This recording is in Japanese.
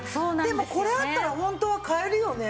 でもこれあったら本当買えるよね。